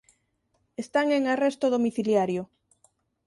Están en arresto domiciliario.